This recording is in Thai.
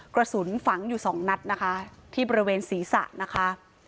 กระสุนฝังอยู่สองนัดนะคะที่บริเวณศีรษะนะคะ